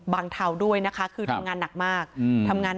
บางเทาด้วยคือทำงาน